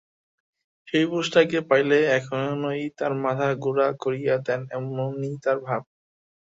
সেই পুরুষটাকে পাইলে এখনই তার মাথা গুঁড়া করিয়া দেন এমনি তাঁর ভাব।